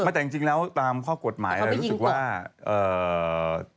มันไม่แต่จริงแล้วตามข้อกฎหมายแต่ทำไมเขาตรอด